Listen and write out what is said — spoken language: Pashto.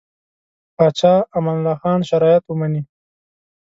پاچا امان الله خان شرایط ومني.